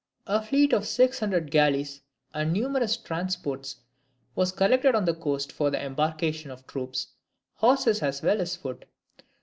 A fleet of six hundred galleys and numerous transports was collected on the coast for the embarkation of troops, horse as well as foot.